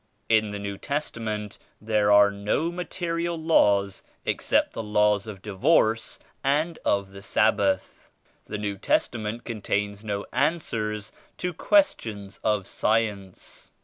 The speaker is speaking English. In the New Testament there are no material laws except the laws of divorce and of the Sabbath. The New Testament contains no answers to questions of science.